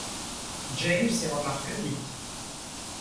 James s'y remarque vite.